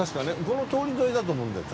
この通り沿いだと思うんだよ。